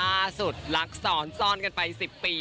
อ้าวสุดฬักษณ์ซ้อนซ้อนกันไป๑๐ปี